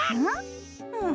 うん？